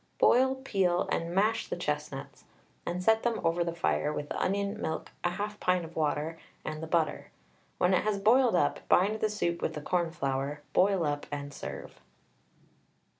Boil, peel, and mash the chestnuts, and set them over the fire with the onion, milk, 1/2 pint of water, and the butter. When it has boiled up, bind the soup with the cornflour, boil up, and serve.